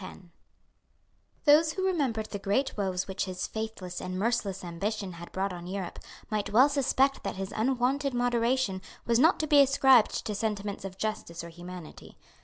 Those who remembered the great woes which his faithless and merciless ambition had brought on Europe might well suspect that this unwonted moderation was not to be ascribed to sentiments of justice or humanity.